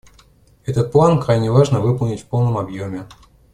Этот план крайне важно выполнить в полном объеме.